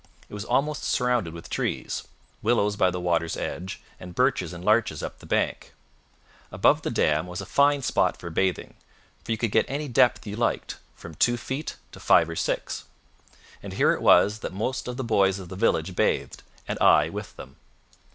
It was almost surrounded with trees, willows by the water's edge, and birches and larches up the bank. Above the dam was a fine spot for bathing, for you could get any depth you liked from two feet to five or six; and here it was that most of the boys of the village bathed, and I with them.